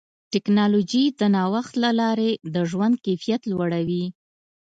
ټکنالوجي د نوښت له لارې د ژوند کیفیت لوړوي.